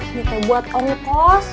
ini tuh buat ongkos